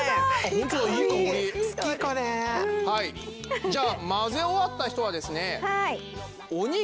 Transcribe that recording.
はいじゃあ混ぜ終わった人はですね中に？